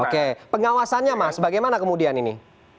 oke pengawasannya mas bagaimana kemudian ini